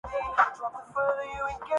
وہ گد ہ ہے